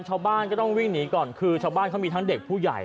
ชาวบ้านก็ต้องวิ่งหนีก่อนคือชาวบ้านเขามีทั้งเด็กผู้ใหญ่